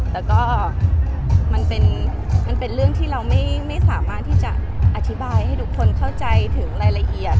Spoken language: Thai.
แต่ก็มันเป็นเรื่องที่เราไม่สามารถที่จะอธิบายให้ทุกคนเข้าใจถึงรายละเอียด